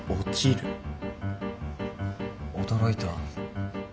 驚いた。